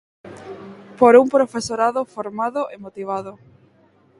Por un profesorado formado e motivado.